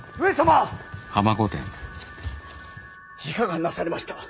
いかがなされました？